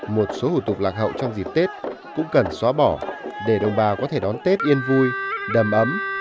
một số hủ tục lạc hậu trong dịp tết cũng cần xóa bỏ để đồng bào có thể đón tết yên vui đầm ấm